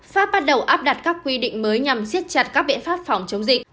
pháp bắt đầu áp đặt các quy định mới nhằm siết chặt các biện pháp phòng chống dịch